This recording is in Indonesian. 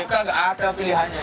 kek nggak ada pilihannya